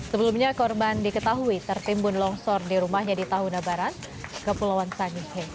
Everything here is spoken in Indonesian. sebelumnya korban diketahui tertimbun longsor di rumahnya di tahuna barat kepulauan sangihe